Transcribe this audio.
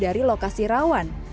dari lokasi rawan